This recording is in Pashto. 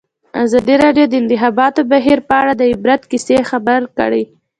ازادي راډیو د د انتخاباتو بهیر په اړه د عبرت کیسې خبر کړي.